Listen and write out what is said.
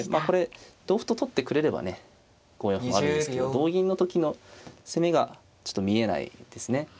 これ同歩と取ってくれればね５四歩もあるんですけど同銀の時の攻めがちょっと見えないですね。